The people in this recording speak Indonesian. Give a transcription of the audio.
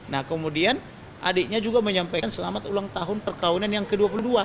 nah kemudian adiknya juga menyampaikan selamat ulang tahun perkawinan yang ke dua puluh dua